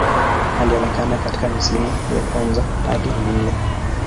Alionekana katika misimu ya kwanza hadi minne.